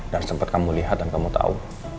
dan sempet kamu lihat dan kamu tau